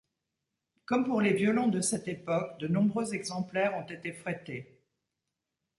Comme pour les violons de cette époque, de nombreux exemplaires ont été frettés.